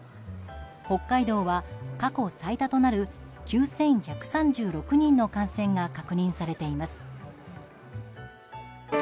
北海道は、過去最多となる９１３６人の感染が確認されています。